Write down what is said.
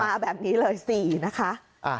มาแบบนี้เลย๔นะคะ